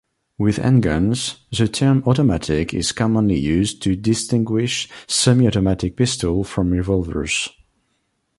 With handguns, the term "automatic" is commonly used to distinguish semi-automatic pistols from revolvers.